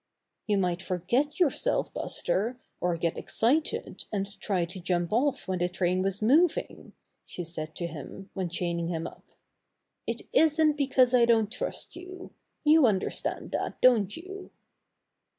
"You might forget yourself, Buster, or get excited, and try to jump off when the train was Buster in a Railroad Wreck 91 moving," she said to him, when chaining him up. isn't because I don't trust you. You understand that, don't you?"